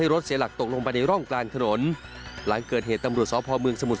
ตรวจสอบภายในรถกระบะพบพันธ์ตำรวจเอกเทเวศปลื้มสุด